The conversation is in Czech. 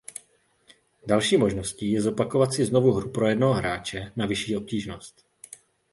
Další možností je zopakovat si znovu hru pro jednoho hráče na vyšší obtížnost.